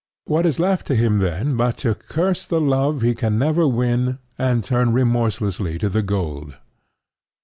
What is left to him then but to curse the love he can never win, and turn remorselessly to the gold?